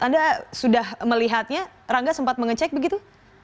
anda sudah melihatnya rangga sempat mengecek begitu